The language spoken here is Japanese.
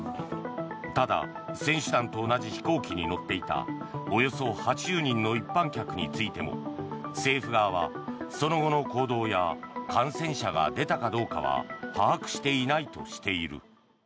ただ、選手団と同じ飛行機に乗っていたおよそ８０人の一般客についても政府側はその後の行動や感染者が出たかどうかは把握していないとしている。